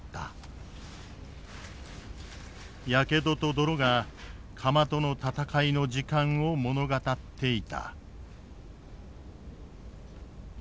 やけどと泥が釜との闘いの時間を物語っていた。